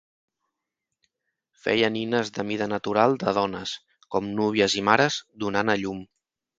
Feia nines de mida natural de dones, com núvies i mares donant a llum.